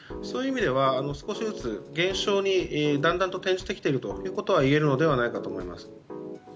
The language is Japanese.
そういう意味では少しずつ減少にだんだんと転じてきていると言えるのではないかと思います。